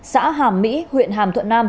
xã hàm mỹ huyện hàm thuận nam